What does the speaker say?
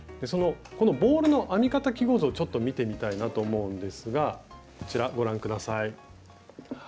このボールの編み方記号図をちょっと見てみたいなと思うんですがこちらご覧下さい。